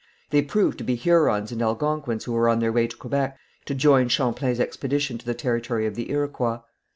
They proved to be Hurons and Algonquins who were on their way to Quebec to join Champlain's expedition to the territory of the Iroquois.